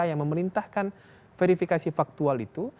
yang memerintahkan verifikasi faktual itu